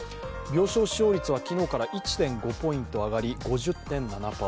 病床使用率は昨日から１．５ポイント上がり、５０．７％。